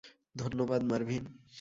ধন্যবাদ, মার্ভিন।